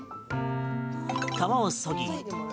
皮をそぎ。